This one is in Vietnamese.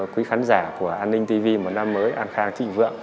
quý khán giả của an ninh tv một năm mới an khang thịnh vượng